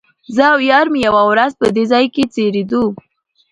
زه او یار مې یوه ورځ په دې ځای کې څریدو.